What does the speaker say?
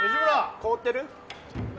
凍ってる？